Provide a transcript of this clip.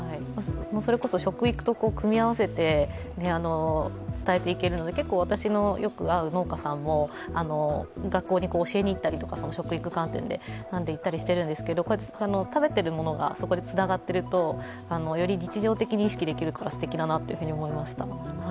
それこそ食育と組み合わせて伝えていけるので結構、私のよく会う農家さんも、学校に教えに行ったりとか、食育の観点などで行ったりしているんですが食べてるものがそこでつながってると、より日常的に意識できるからすてきだなっていうふうに思いました